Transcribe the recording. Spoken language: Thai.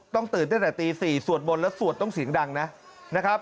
ตื่นตั้งแต่ตี๔สวดมนต์แล้วสวดต้องเสียงดังนะครับ